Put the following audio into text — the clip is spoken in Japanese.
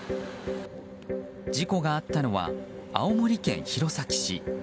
事故があったのは青森県弘前市。